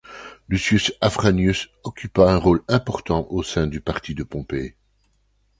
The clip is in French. Lucius Afranius occupa un rôle important au sein du parti de Pompée.